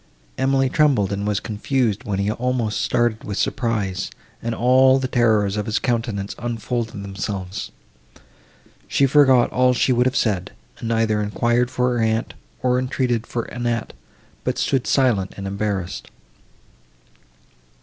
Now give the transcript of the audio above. Emily trembled, and was confused, while he almost started with surprise, and all the terrors of his countenance unfolded themselves. She forgot all she would have said, and neither enquired for her aunt, nor entreated for Annette, but stood silent and embarrassed.